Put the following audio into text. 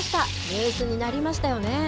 ニュースになりましたよね。